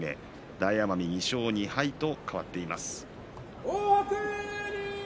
大奄美２勝２敗と変わっています。